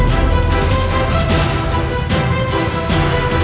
aku akan pergi ke istana yang lain